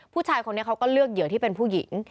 ผู้ชายคนนี้เขาก็เลือกเหยื่อที่เป็นผู้หญิง